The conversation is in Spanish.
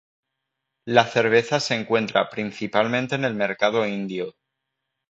La cerveza se encuentra principalmente en el mercado indio.